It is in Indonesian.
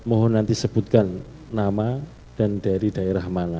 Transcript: mohon nanti sebutkan nama dan dari daerah mana